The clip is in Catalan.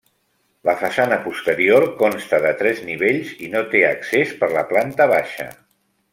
La façana posterior consta de tres nivells i no té accés per la planta baixa.